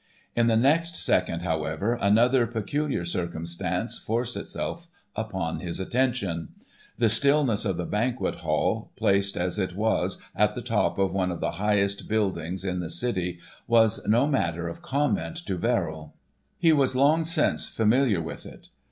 In the next second, however, another peculiar circumstance forced itself upon his attention. The stillness of the Banquet Hall, placed as it was, at the top of one of the highest buildings in the city was no matter of comment to Verrill. He was long since familiar with it.